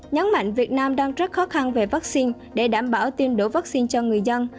nhấn mạnh việt nam đang rất khó khăn về vaccine để đảm bảo tiêm đổ vaccine cho người dân